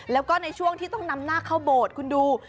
แล้วก็ในช่วงที่ต้องนำหน้าเข้าโบสถ์คุณดู